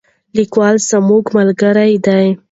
لیکوال زموږ ملګری دی.